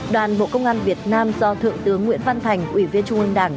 đoàn bộ công an việt nam do thượng tướng nguyễn văn thành ủy viên trung ương đảng